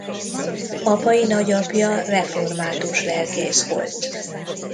Apai nagyapja református lelkész volt.